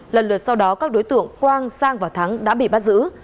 lần lượt sau đó các đối tượng quang sang và thắng đã bị bắt giữ